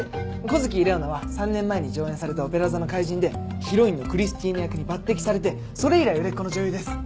湖月レオナは３年前に上演された『オペラ座の怪人』でヒロインのクリスティーヌ役に抜てきされてそれ以来売れっ子の女優です。